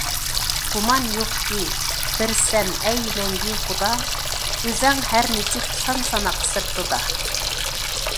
گۇمان يوقكى، بىر سەن، ئەي مەڭگۈ خۇدا، ئۆزەڭ ھەر نىچۈك سان - ساناق سىرتىدا.